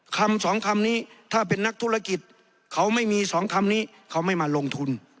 คำสองคำนี้ถ้าเป็นนักธุรกิจเขาไม่มีสองคำนี้เขาไม่มาลงทุน